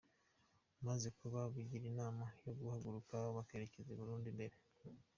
Maze aba bigira inama yo guhaguruka bakerekeza i Burundi mbere.